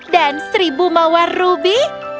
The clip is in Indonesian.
dan seribu mawar rubi